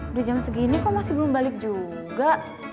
udah jam segini kok masih belum balik juga